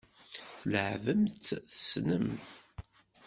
Tleɛɛbem-tt tessnem.